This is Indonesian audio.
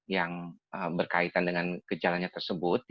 yang berkaitan dengan gejalanya tersebut